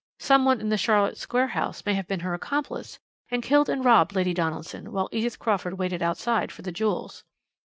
Some one in the Charlotte Square house may have been her accomplice and killed and robbed Lady Donaldson while Edith Crawford waited outside for the jewels.